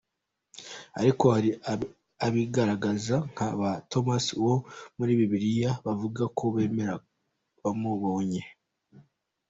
Ariko hari abigaragaje nka ba ‘Thomas’ wo muri Bibiliya bavugaga ko bemera bamubonye.